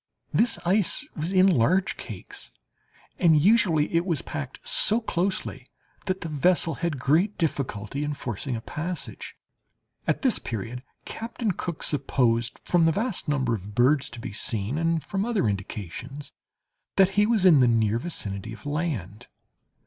This ice was in large cakes, and usually it was packed so closely that the vessel had great difficulty in forcing a passage. At this period Captain Cook supposed, from the vast number of birds to be seen, and from other indications, that he was in the near vicinity of land.